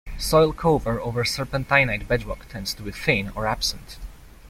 Soil cover over serpentinite bedrock tends to be thin or absent.